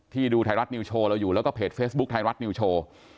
ที่ดูไทยรัฐรียูเช่าเราอยู่แล้วก็เพจเฟสบุ๊กไทยรัฐรียูเช่า